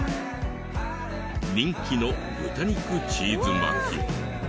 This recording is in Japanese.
人気の豚肉チーズ巻き。